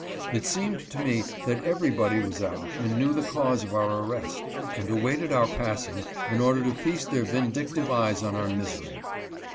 It seemed to me that everybody was out, and knew the cause of our arrest, and awaited our passing in order to feast their vindictive eyes on our misery.